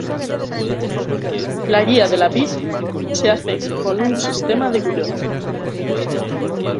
La guía de la vid se hace con un sistema de Guyot.